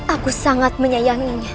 aku sangat menyayanginya